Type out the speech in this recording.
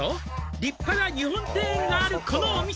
「立派な日本庭園があるこのお店」